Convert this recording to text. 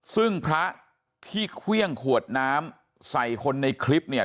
ซึ่งพระที่เครื่องขวดน้ำใส่คนในคลิปเนี่ย